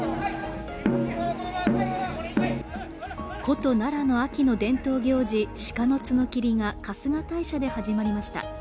古都・奈良の秋の伝統行事、鹿の角きりが春日大社で始まりました。